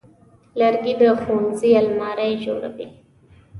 لرګی د ښوونځي المارۍ جوړوي.